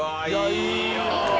いいよ。